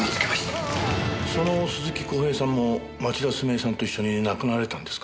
その鈴木恒平さんも町田純江さんと一緒に亡くなられたんですか？